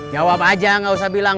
jawab aja nggak usah bilang